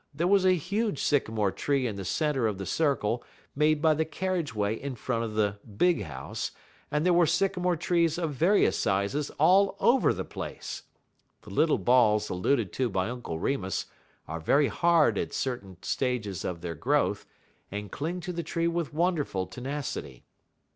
There was a huge sycamore tree in the centre of the circle made by the carriage way in front of the "big house," and there were sycamore trees of various sizes all over the place. The little balls alluded to by Uncle Remus are very hard at certain stages of their growth, and cling to the tree with wonderful tenacity.